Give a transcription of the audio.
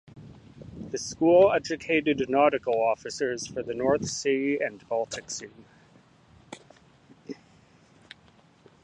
The school educated nautical officers for the North Sea and Baltic Sea.